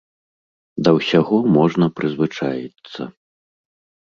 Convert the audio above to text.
Да ўсяго можна прызвычаіцца.